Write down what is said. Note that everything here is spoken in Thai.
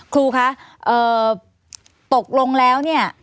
ครูคะตกลงแล้ว